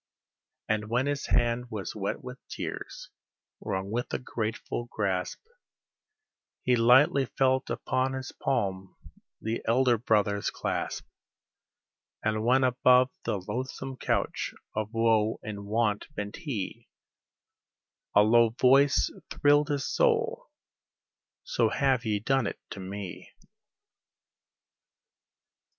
And when his hand was wet with tears, wrung with a grateful grasp, He lightly felt upon his palm the Elder Brother's clasp; And when above the loathsome couch of woe and want bent he, A low voice thrilled his soul, "So have ye done it unto Me."